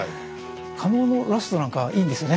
加納のラストなんかいいんですよね